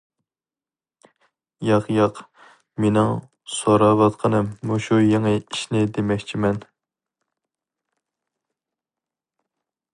-ياق، ياق، مېنىڭ سوراۋاتقىنىم مۇشۇ يېڭى ئىشنى دېمەكچىمەن.